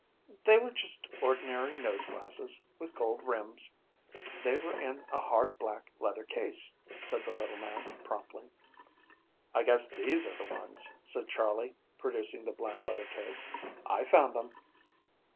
"They were just ordinary nose glasses, with gold rims. They were in a hard black leather case," said the little man promptly. "I guess these are the ones," said Charley, producing the black leather case. "I found them."